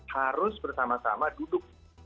harus bersama sama duduk